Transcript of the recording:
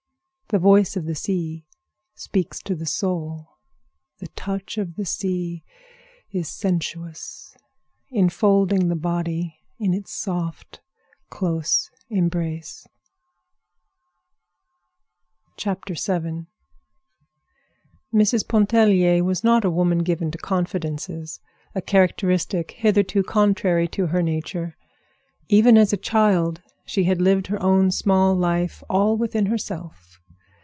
The voice of the sea speaks to the soul. The touch of the sea is sensuous, enfolding the body in its soft, close embrace. VII Mrs. Pontellier was not a woman given to confidences, a characteristic hitherto contrary to her nature. Even as a child she had lived her own small life all within herself.